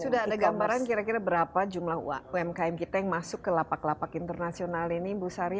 sudah ada gambaran kira kira berapa jumlah umkm kita yang masuk ke lapak lapak internasional ini bu sari